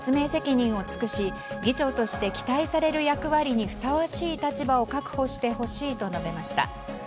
議長として期待される役割にふさわしい立場を確保してほしいと述べました。